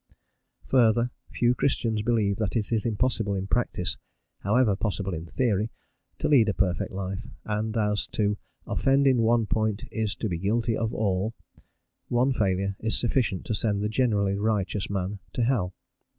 Further, few Christians believe that it is impossible in practice, however possible in theory, to lead a perfect life; and as to "offend in one point is to be guilty of all," one failure is sufficient to send the generally righteous man to hell.